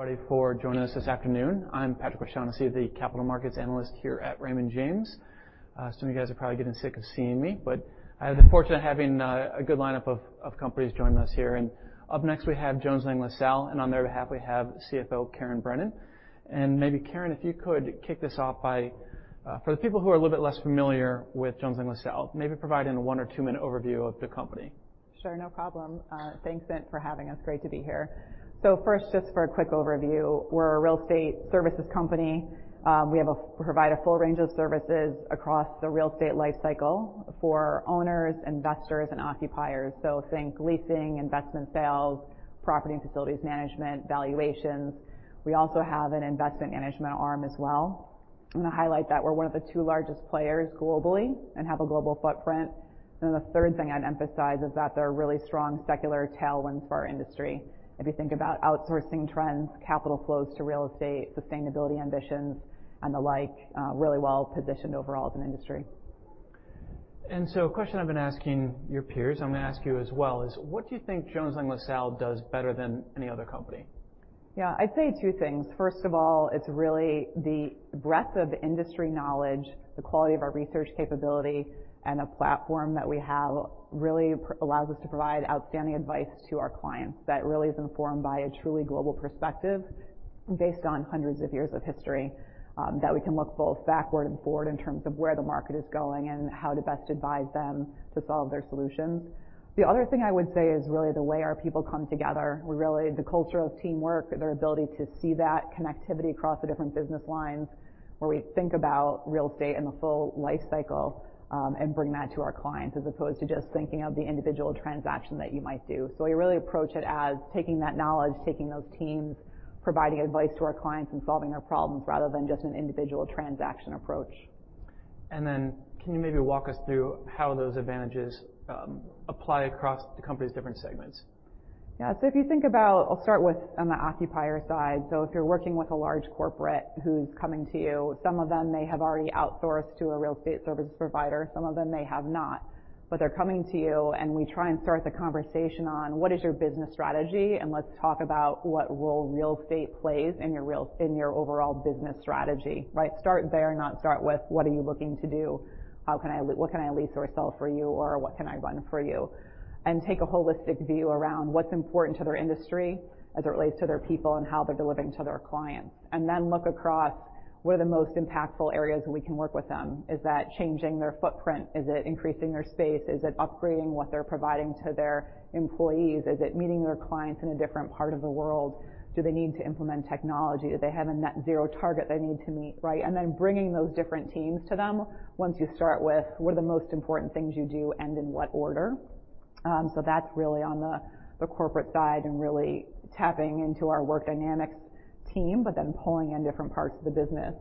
Everybody for joining us this afternoon. I'm Patrick O'Shaughnessy, the capital markets analyst here at Raymond James. Some of you everyone are probably getting sick of seeing me, but I had the fortune of having a good lineup of companies joining us here. Up next, we have Jones Lang LaSalle, and on their behalf, we have CFO Karen Brennan. Maybe, Karen, if you could kick this off by for the people who are a little bit less familiar with Jones Lang LaSalle, maybe providing a one or two minute overview of the company. Sure. No problem. Thanks, Patrick, for having us. Great to be here. First, just for a quick overview, we're a real estate services company. We provide a full range of services across the real estate lifecycle for owners, investors, and occupiers. Think leasing, investment sales, property and facilities management, valuations. We also have an investment management arm as well. I'm going to highlight that we're one of the two largest players globally and have a global footprint. The third thing I'd emphasize is that there are really strong secular tailwinds for our industry. If you think about outsourcing trends, capital flows to real estate, sustainability ambitions, and the like, really well-positioned overall as an industry. A question I've been asking your peers, I'm going to ask you as well, is what do you think Jones Lang LaSalle does better than any other company? I'd say two things. First of all, it's really the breadth of industry knowledge, the quality of our research capability, and the platform that we have really allows us to provide outstanding advice to our clients that really is informed by a truly global perspective based on hundreds of years of history, that we can look both backward and forward in terms of where the market is going and how to best advise them to solve their solutions. The other thing I would say is really the way our people come together. The culture of teamwork, their ability to see that connectivity across the different business lines, where we think about real estate in the full life cycle, and bring that to our clients as opposed to just thinking of the individual transaction that you might do. We really approach it as taking that knowledge, taking those teams, providing advice to our clients and solving their problems rather than just an individual transaction approach. Can you maybe walk us through how those advantages apply across the company's different segments? I'll start with on the occupier side. If you're working with a large corporate who's coming to you, some of them may have already outsourced to a real estate services provider, some of them may have not. They're coming to you, and we try and start the conversation on what is your business strategy, and let's talk about what role real estate plays in your overall business strategy, right? Start there, not start with, what are you looking to do? What can I lease or sell for you, or what can I run for you? Take a holistic view around what's important to their industry as it relates to their people and how they're delivering to their clients. Look across what are the most impactful areas we can work with them. Is that changing their footprint? Is it increasing their space? Is it upgrading what they're providing to their employees? Is it meeting their clients in a different part of the world? Do they need to implement technology? Do they have a net zero target they need to meet, right? Bringing those different teams to them once you start with what are the most important things you do and in what order. That's really on the corporate side and really tapping into our Work Dynamics team but then pulling in different parts of the business.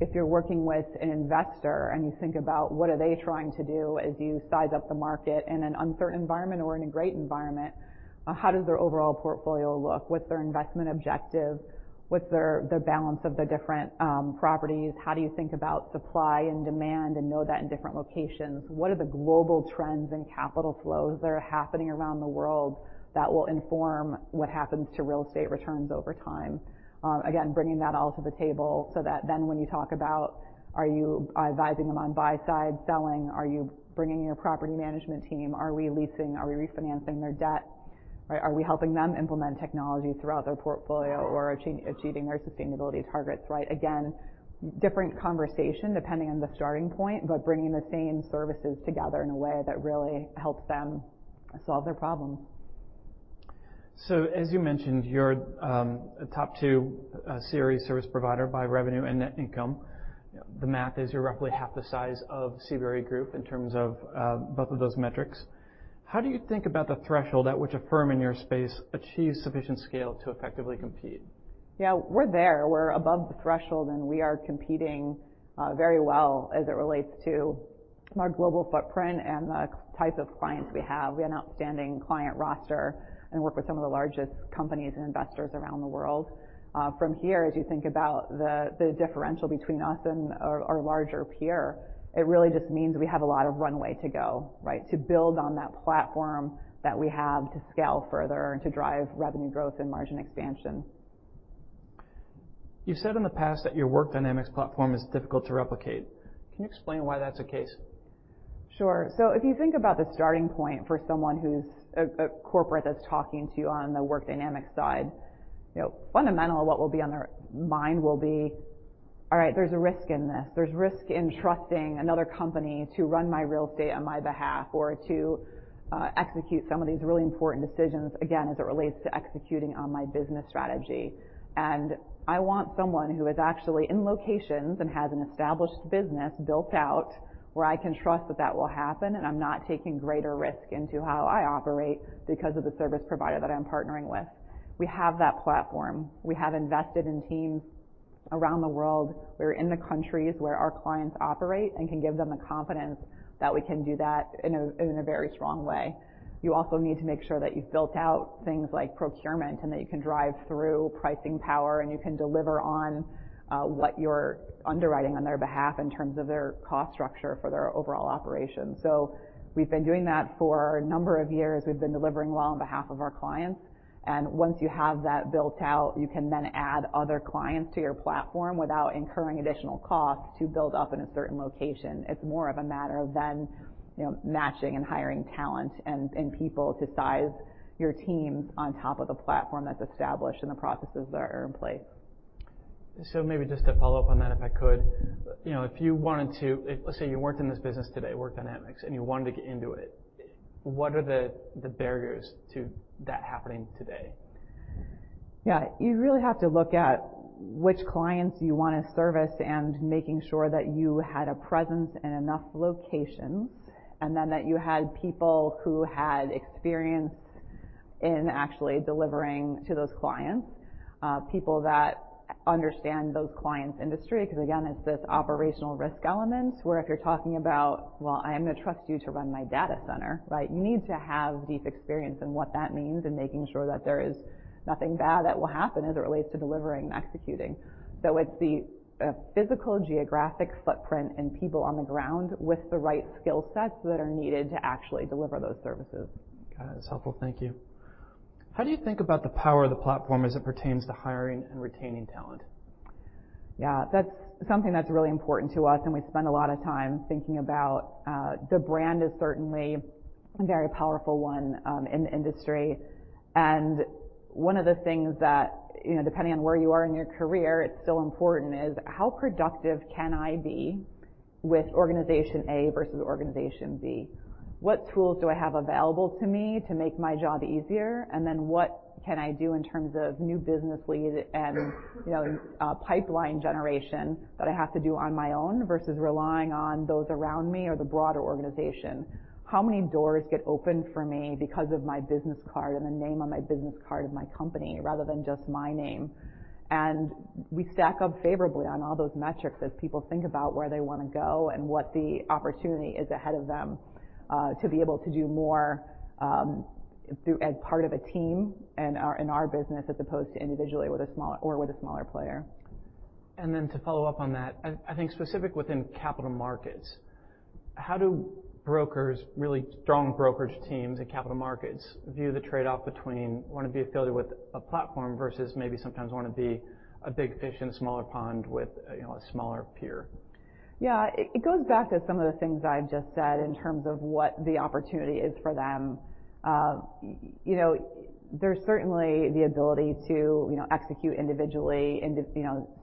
If you're working with an investor and you think about what are they trying to do as you size up the market in an uncertain environment or in a great environment, how does their overall portfolio look? What's their investment objective? What's their balance of the different, properties? How do you think about supply and demand and know that in different locations? What are the global trends and capital flows that are happening around the world that will inform what happens to real estate returns over time? Again, bringing that all to the table so that then when you talk about, are you advising them on buy side, selling? Are you bringing your property management team? Are we leasing? Are we refinancing their debt? Right. Are we helping them implement technology throughout their portfolio or achieving their sustainability targets, right? Again, different conversation depending on the starting point, but bringing the same services together in a way that really helps them solve their problems. As you mentioned, you're a top two series service provider by revenue and net income. The math is you're roughly half the size of CBRE Group in terms of both of those metrics. How do you think about the threshold at which a firm in your space achieves sufficient scale to effectively compete? We're there. We're above the threshold, we are competing very well as it relates to our global footprint and the type of clients we have. We have an outstanding client roster and work with some of the largest companies and investors around the world. From here, as you think about the differential between us and our larger peer, it really just means we have a lot of runway to go, right? To build on that platform that we have to scale further and to drive revenue growth and margin expansion. You said in the past that your Work Dynamics platform is difficult to replicate. Can you explain why that's the case? Sure. If you think about the starting point for someone who's a corporate that's talking to you on the Work Dynamics side, fundamental, what will be on their mind will be, all right, there's a risk in this. There's risk in trusting another company to run my real estate on my behalf or to execute some of these really important decisions, again, as it relates to executing on my business strategy. I want someone who is actually in locations and has an established business built out where I can trust that that will happen, and I'm not taking greater risk into how I operate because of the service provider that I'm partnering with. We have that platform. We have invested in teams around the world. We're in the countries where our clients operate and can give them the confidence that we can do that in a very strong way. You also need to make sure that you've built out things like procurement and that you can drive through pricing power and you can deliver on what you're underwriting on their behalf in terms of their cost structure for their overall operations. We've been doing that for a number of years. We've been delivering well on behalf of our clients. Once you have that built out, you can then add other clients to your platform without incurring additional costs to build up in a certain location. It's more of a matter of then, you know, matching and hiring talent and people to size your teams on top of the platform that's established and the processes that are in place. Maybe just to follow up on that, if I could. If you wanted to, let's say, you weren't in this business today, Work Dynamics, and you wanted to get into it, what are the barriers to that happening today? You really have to look at which clients you want to service and making sure that you had a presence in enough locations, and then that you had people who had experience in actually delivering to those clients, people that understand those clients' industry. Again, it's this operational risk element where if you're talking about, well, I am going to trust you to run my data center, right? You need to have deep experience in what that means and making sure that there is nothing bad that will happen as it relates to delivering and executing. It's the physical geographic footprint and people on the ground with the right skill sets that are needed to actually deliver those services. Got it. It's helpful. Thank you. How do you think about the power of the platform as it pertains to hiring and retaining talent? That's something that's really important to us, and we spend a lot of time thinking about. The brand is certainly a very powerful one, in the industry. One of the things that, you know, depending on where you are in your career, it's still important is how productive can I be with organization A versus organization B? What tools do I have available to me to make my job easier? Then what can I do in terms of new business leads and, you know, pipeline generation that I have to do on my own versus relying on those around me or the broader organization? How many doors get opened for me because of my business card and the name on my business card of my company rather than just my name? We stack up favorably on all those metrics as people think about where they wanna go and what the opportunity is ahead of them, to be able to do more, as part of a team in our, in our business as opposed to individually with a smaller player. Then to follow up on that, I think specific within capital markets, how do brokers, really strong brokerage teams and capital markets view the trade-off between wanna be affiliated with a platform versus maybe sometimes wanna be a big fish in a smaller pond with, you know, a smaller peer? It goes back to some of the things I just said in terms of what the opportunity is for them. There's certainly the ability to, execute individually into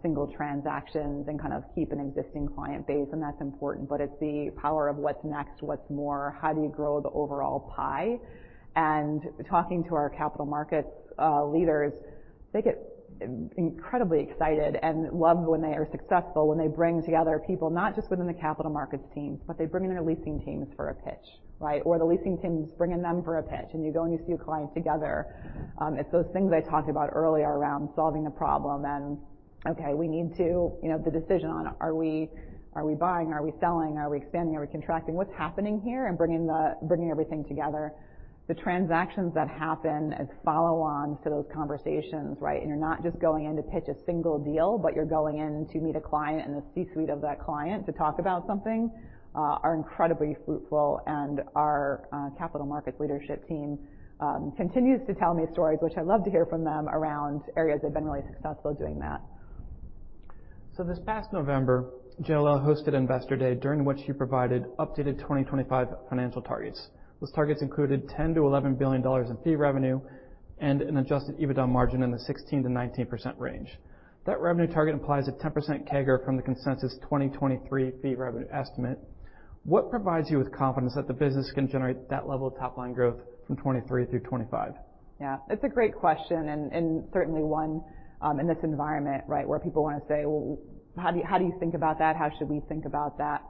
single transactions and kind of keep an existing client base, and that's important. It's the power of what's next, what's more, how do you grow the overall pie. Talking to our capital markets leaders, they get incredibly excited and love when they are successful, when they bring together people, not just within the capital markets teams, but they bring in their leasing teams for a pitch, right? The leasing teams bring in them for a pitch, and you go and you see a client together. It's those things I talked about earlier around solving the problem and, okay, we need to the decision on are we, are we buying? Are we selling? Are we expanding? Are we contracting? What's happening here? Bringing everything together. The transactions that happen as follow-ons to those conversations, right? You're not just going in to pitch a single deal, but you're going in to meet a client and the C-suite of that client to talk about something, are incredibly fruitful. Our capital markets leadership team continues to tell me stories, which I love to hear from them around areas they've been really successful doing that. This past November, JLL hosted Investor Day, during which you provided updated 2025 financial targets. Those targets included $10 to 11 billion in fee revenue and an adjusted EBITDA margin in the 16% to 19% range. That revenue target implies a 10% CAGR from the consensus 2023 fee revenue estimate. What provides you with confidence that the business can generate that level of top-line growth from 2023 through 2025? It's a great question, and certainly one, in this environment, right, where people wanna say, "Well, how do you, how do you think about that? How should we think about that?"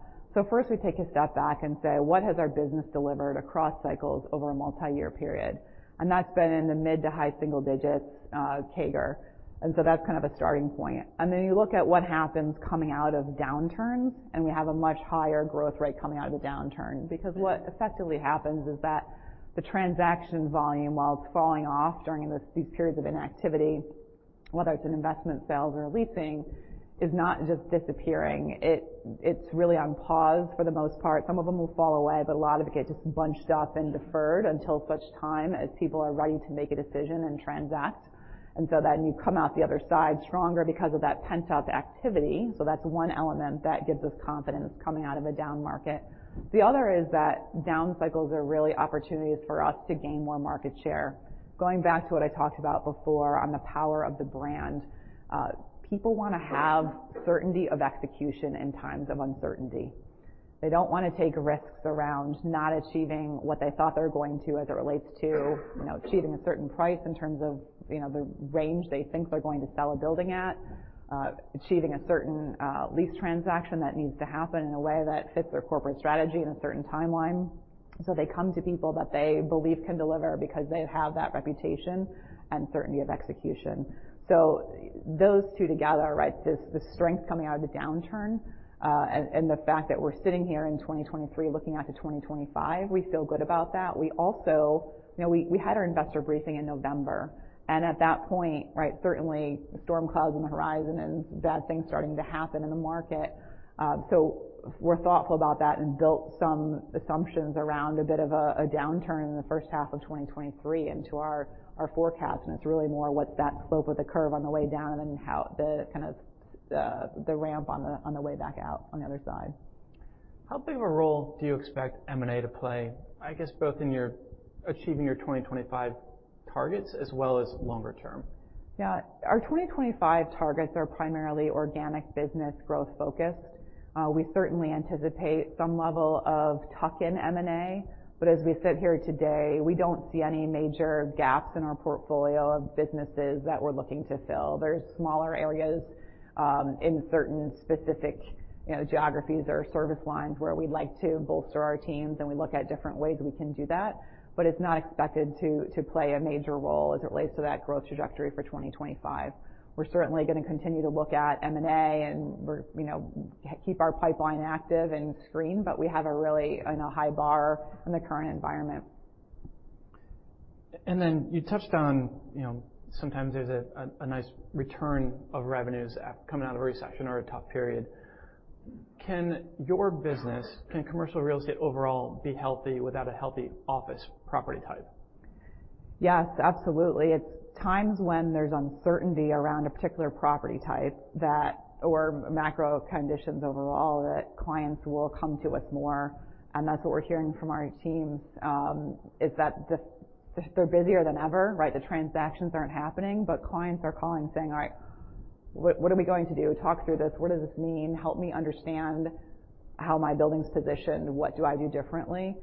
First, we take a step back and say, "What has our business delivered across cycles over a multi-year period?" That's been in the mid to high single digits, CAGR. That's kind of a starting point. Then you look at what happens coming out of downturns, and we have a much higher growth rate coming out of the downturn. Because what effectively happens is that the transaction volume, while it's falling off during these periods of inactivity, whether it's in investment sales or leasing, is not just disappearing. It's really on pause for the most part. Some of them will fall away, but a lot of it gets bunched up and deferred until such time as people are ready to make a decision and transact. You come out the other side stronger because of that pent-up activity. That's one element that gives us confidence coming out of a down market. The other is that down cycles are really opportunities for us to gain more market share. Going back to what I talked about before on the power of the brand, people wanna have certainty of execution in times of uncertainty. They don't want to take risks around not achieving what they thought they were going to as it relates to, you know, achieving a certain price in terms of, you know, the range they think they're going to sell a building at, achieving a certain lease transaction that needs to happen in a way that fits their corporate strategy in a certain timeline. They come to people that they believe can deliver because they have that reputation and certainty of execution. Those two together, right? The strength coming out of the downturn, and the fact that we're sitting here in 2023 looking out to 2025, we feel good about that. We also, we had our investor briefing in November, and at that point, right, certainly storm clouds on the horizon and bad things starting to happen in the market. We're thoughtful about that and built some assumptions around a bit of a downturn in the first half of 2023 into our forecast, and it's really more what's that slope of the curve on the way down and then how the kind of the ramp on the way back out on the other side. How big of a role do you expect M&A to play, I guess, both in your achieving your 2025 targets as well as longer term? Our 2025 targets are primarily organic business growth focused. We certainly anticipate some level of tuck-in M&A, but as we sit here today, we don't see any major gaps in our portfolio of businesses that we're looking to fill. There's smaller areas, in certain specific, geographies or service lines where we'd like to bolster our teams, and we look at different ways we can do that, but it's not expected to play a major role as it relates to that growth trajectory for 2025. We're certainly going to continue to look at M&A and you know, keep our pipeline active and screen, but we have a really, on a high bar in the current environment. You touched on, sometimes there's a nice return of revenues coming out of a recession or a tough period. Can your business, can commercial real estate overall be healthy without a healthy office property type? Yes, absolutely. It's times when there's uncertainty around a particular property type or macro conditions overall that clients will come to us more. That's what we're hearing from our teams, is that just they're busier than ever, right? The transactions aren't happening, but clients are calling saying, "All right. What are we going to do? Talk through this. What does this mean? Help me understand how my building's positioned. What do I do differently?"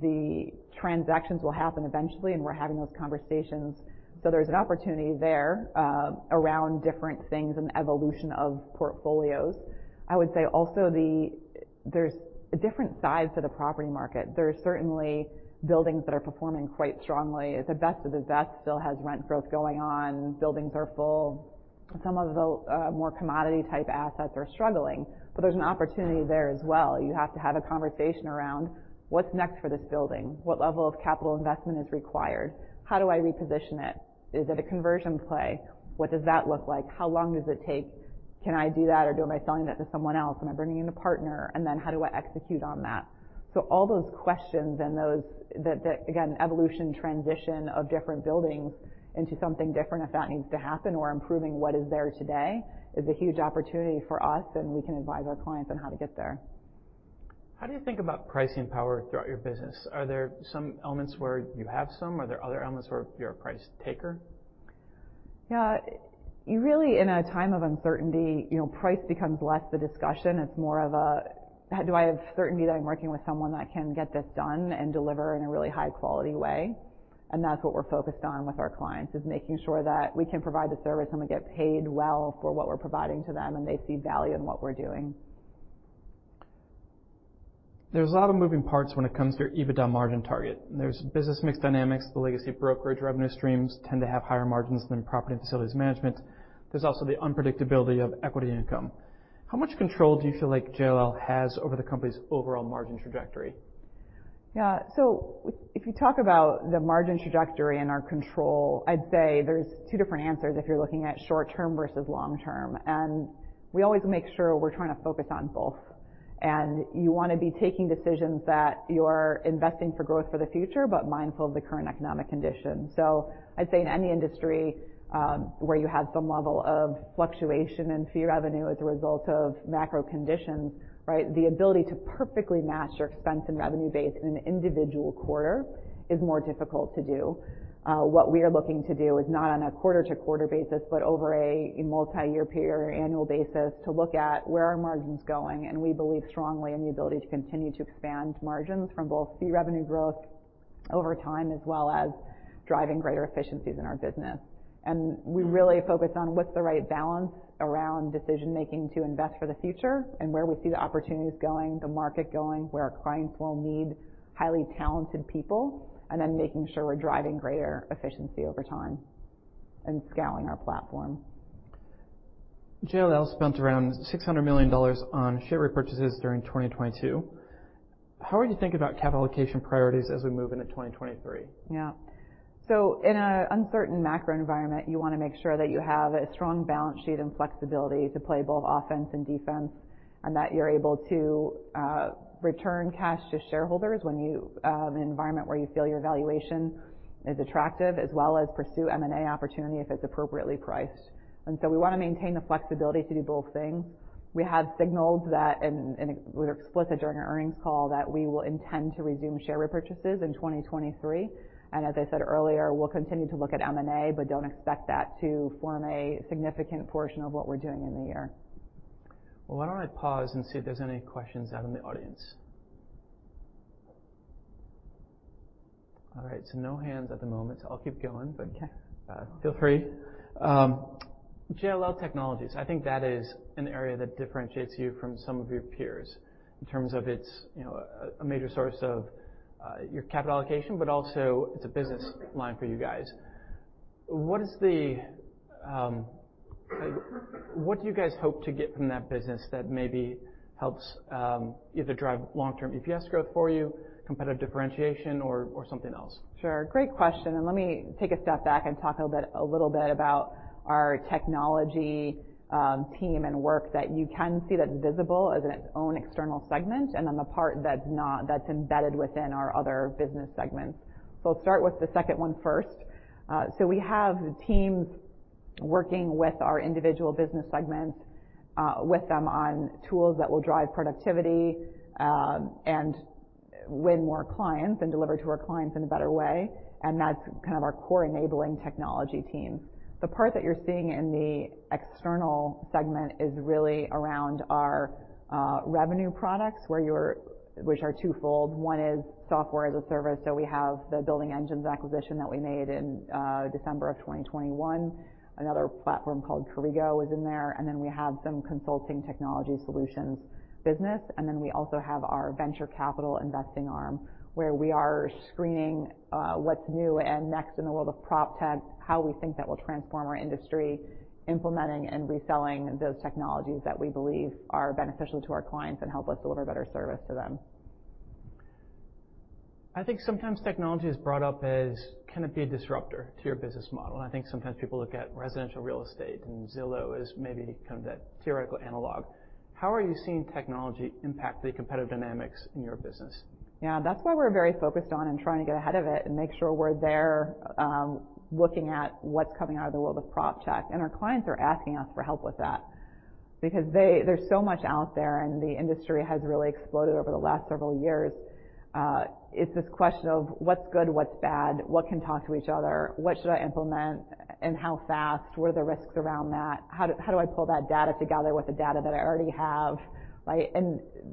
The transactions will happen eventually, and we're having those conversations. There's an opportunity there, around different things and the evolution of portfolios. I would say also there's different sides to the property market. There's certainly buildings that are performing quite strongly. The best of the best still has rent growth going on. Buildings are full. Some of the more commodity type assets are struggling, there's an opportunity there as well. You have to have a conversation around what's next for this building, what level of capital investment is required, how do I reposition it? Is it a conversion play? What does that look like? How long does it take? Can I do that, or am I selling that to someone else? Am I bringing in a partner? How do I execute on that? All those questions and that again, evolution transition of different buildings into something different if that needs to happen or improving what is there today is a huge opportunity for us, and we can advise our clients on how to get there. How do you think about pricing power throughout your business? Are there some elements where you have some? Are there other elements where you're a price taker? You really in a time of uncertainty price becomes less the discussion. It's more of a, "Do I have certainty that I'm working with someone that can get this done and deliver in a really high quality way?" That's what we're focused on with our clients, is making sure that we can provide the service and we get paid well for what we're providing to them, and they see value in what we're doing. There's a lot of moving parts when it comes to your EBITDA margin target. There's business mix dynamics. The legacy brokerage revenue streams tend to have higher margins than property and facilities management. There's also the unpredictability of equity income. How much control do you feel like JLL has over the company's overall margin trajectory? If you talk about the margin trajectory and our control, I'd say there's two different answers if you're looking at short-term versus long-term. We always make sure we're trying to focus on both. You want to be taking decisions that you're investing for growth for the future, but mindful of the current economic conditions. I'd say in any industry, where you have some level of fluctuation in fee revenue as a result of macro conditions, right? The ability to perfectly match your expense and revenue base in an individual quarter is more difficult to do. What we are looking to do is not on a quarter to quarter basis, but over a multi-year period or annual basis to look at where are margins going, and we believe strongly in the ability to continue to expand margins from both fee revenue growth over time as well as driving greater efficiencies in our business. We really focus on what's the right balance around decision-making to invest for the future and where we see the opportunities going, the market going, where our clients will need highly talented people, and then making sure we're driving greater efficiency over time and scaling our platform. JLL spent around $600 million on share repurchases during 2022. How would you think about capital allocation priorities as we move into 2023? In an uncertain macro environment, you want to make sure that you have a strong balance sheet and flexibility to play both offense and defense, and that you're able to return cash to shareholders when the environment where you feel your valuation is attractive, as well as pursue M&A opportunity if it's appropriately priced. We want to maintain the flexibility to do both things. We have signaled that we were explicit during our earnings call that we will intend to resume share repurchases in 2023. As I said earlier, we'll continue to look at M&A, but don't expect that to form a significant portion of what we're doing in the year. Why don't I pause and see if there's any questions out in the audience? All right. No hands at the moment, so I'll keep going. Okay. Feel free. JLL Technologies, I think that is an area that differentiates you from some of your peers in terms of its, you know, a major source of your capital allocation, but also it's a business line for you guys. What do you guys hope to get from that business that maybe helps, either drive long-term EPS growth for you, competitive differentiation or something else? Sure. Great question. Let me take a step back and talk a little bit about our technology team and work that you can see that's visible as in its own external segment, and then the part that's not, that's embedded within our other business segments. I'll start with the second one first. We have teams working with our individual business segments with them on tools that will drive productivity and win more clients and deliver to our clients in a better way. That's kind of our core enabling technology team. The part that you're seeing in the external segment is really around our revenue products, which are twofold. One is software as a service. We have the Building Engines acquisition that we made in December of 2021. Another platform called Corrigo is in there. We have some consulting technology solutions business. We also have our venture capital investing arm, where we are screening what's new and next in the world of PropTech, how we think that will transform our industry, implementing and reselling those technologies that we believe are beneficial to our clients and help us deliver better service to them. I think sometimes technology is brought up as, can it be a disruptor to your business model? Sometimes people look at residential real estate, and Zillow is maybe kind of that theoretical analog. How are you seeing technology impact the competitive dynamics in your business? That's why we're very focused on and trying to get ahead of it and make sure we're there, looking at what's coming out of the world of PropTech. Our clients are asking us for help with that because there's so much out there, and the industry has really exploded over the last several years. It's this question of what's good, what's bad, what can talk to each other, what should I implement, and how fast? What are the risks around that? How do I pull that data together with the data that I already have, right?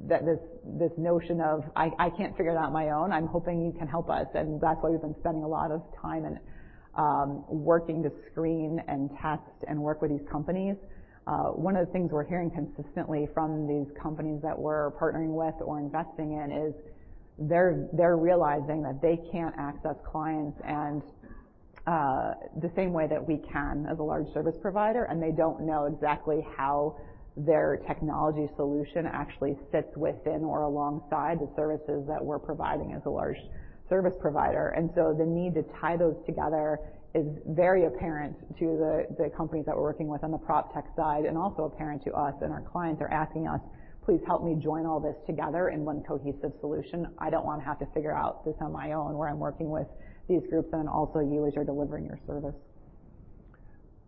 This notion of I can't figure it out on my own, I'm hoping you can help us. That's why we've been spending a lot of time and working to screen and test and work with these companies. One of the things we're hearing consistently from these companies that we're partnering with or investing in is they're realizing that they can't access clients and the same way that we can as a large service provider, and they don't know exactly how their technology solution actually sits within or alongside the services that we're providing as a large service provider. The need to tie those together is very apparent to the companies that we're working with on the PropTech side and also apparent to us. Our clients are asking us, "Please help me join all this together in one cohesive solution. I don't wanna have to figure out this on my own, where I'm working with these groups and also you as you're delivering your service.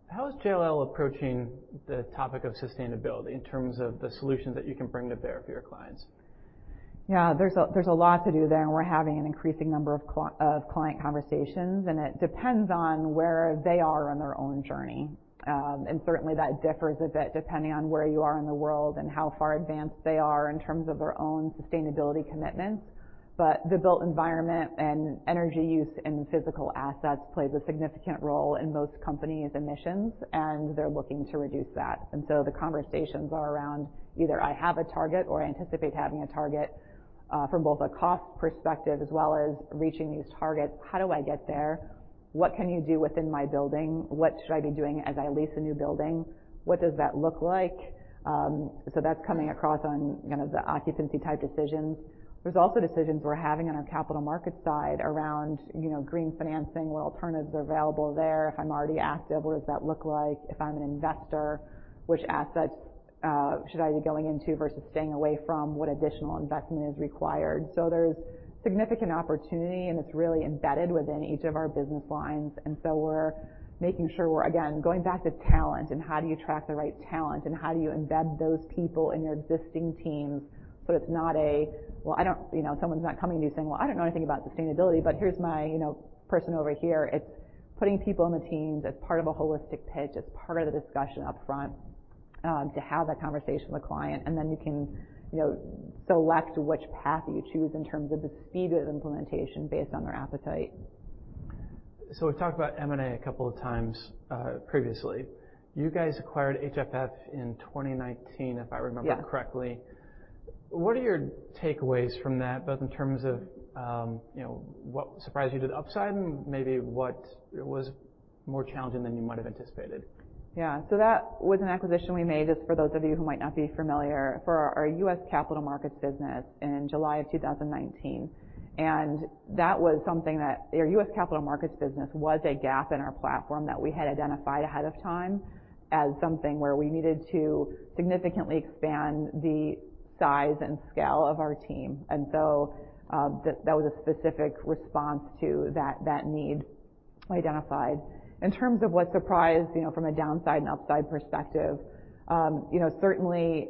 How is JLL approaching the topic of sustainability in terms of the solutions that you can bring to bear for your clients? There's a, there's a lot to do there, and we're having an increasing number of client conversations, and it depends on where they are on their own journey. Certainly, that differs a bit depending on where you are in the world and how far advanced they are in terms of their own sustainability commitments. The built environment and energy use and physical assets plays a significant role in most companies' emissions, and they're looking to reduce that. The conversations are around either I have a target or I anticipate having a target, from both a cost perspective as well as reaching these targets. How do I get there? What can you do within my building? What should I be doing as I lease a new building? What does that look like? That's coming across on, you know, the occupancy type decisions. There's also decisions we're having on our capital markets side around, you know, green financing, what alternatives are available there. If I'm already active, what does that look like? If I'm an investor, which assets should I be going into versus staying away from? What additional investment is required? There's significant opportunity, and it's really embedded within each of our business lines. We're making sure we're, again, going back to talent and how do you attract the right talent and how do you embed those people in your existing teams so it's not a, well, I don't... You know, someone's not coming to you saying, "Well, I don't know anything about sustainability, but here's my, you know, person over here." It's putting people on the teams as part of a holistic pitch, as part of the discussion up front, to have that conversation with the client. Then you can, you know, select which path you choose in terms of the speed of implementation based on their appetite. We've talked about M&A a couple of times, previously. You guys acquired HFF in 2019, if I remember- Yeah. Correctly. What are your takeaways from that, both in terms of, you know, what surprised you to the upside and maybe what was more challenging than you might have anticipated? Yeah. That was an acquisition we made, just for those of you who might not be familiar, for our U.S. capital markets business in July of 2019. Your U.S. capital markets business was a gap in our platform that we had identified ahead of time as something where we needed to significantly expand the size and scale of our team. That was a specific response to that need identified. In terms of what surprised, from a downside and upside perspective, you know, certainly,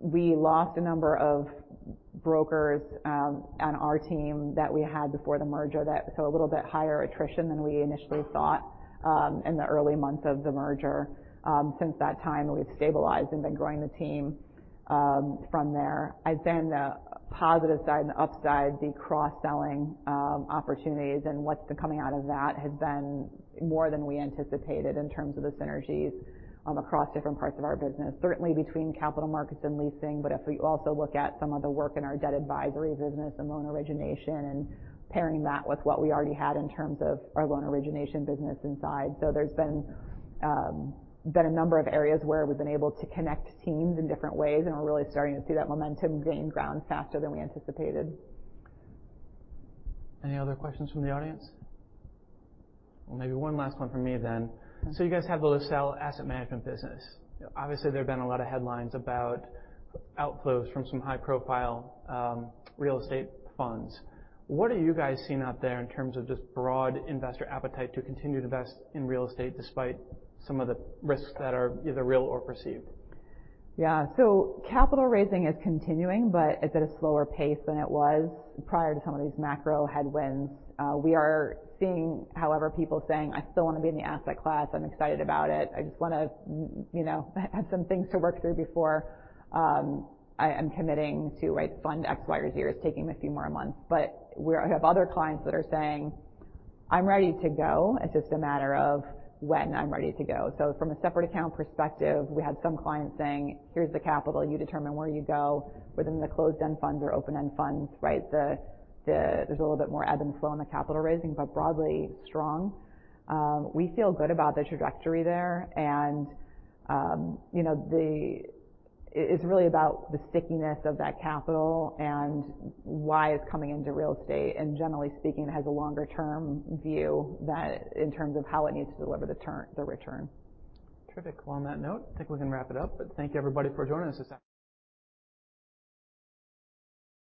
we lost a number of brokers on our team that we had before the merger. A little bit higher attrition than we initially thought in the early months of the merger. Since that time, we've stabilized and been growing the team from there. I'd say on the positive side and the upside, the cross-selling opportunities and what's been coming out of that has been more than we anticipated in terms of the synergies, across different parts of our business, certainly between capital markets and leasing. If we also look at some of the work in our debt advisory business and loan origination and pairing that with what we already had in terms of our loan origination business inside. There's been a number of areas where we've been able to connect teams in different ways, and we're really starting to see that momentum gain ground faster than we anticipated. Any other questions from the audience? Well, maybe one last one from me then. You guys have the LaSalle asset management business. Obviously, there have been a lot of headlines about outflows from some high-profile real estate funds. What are you guys seeing out there in terms of just broad investor appetite to continue to invest in real estate despite some of the risks that are either real or perceived? Capital raising is continuing, but it's at a slower pace than it was prior to some of these macro headwinds. We are seeing, however, people saying, "I still wanna be in the asset class. I'm excited about it. I just wanna, you know, have some things to work through before I am committing to, right, fund X, Y, or Z. It's taking me a few more months." We have other clients that are saying, "I'm ready to go. It's just a matter of when I'm ready to go." From a separate account perspective, we have some clients saying, "Here's the capital. You determine where you go, within the closed-end funds or open-end funds," right? There's a little bit more ebb and flow in the capital raising, but broadly strong. We feel good about the trajectory there. It's really about the stickiness of that capital and why it's coming into real estate. generally speaking, it has a longer term view that in terms of how it needs to deliver the return. Terrific. Well, on that note, I think we can wrap it up. Thank you everybody for joining us this after.